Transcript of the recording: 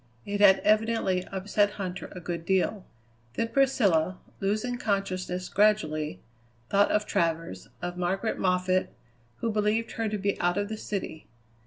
It had evidently upset Huntter a good deal. Then Priscilla, losing consciousness gradually, thought of Travers, of Margaret Moffatt, who believed her to be out of the city.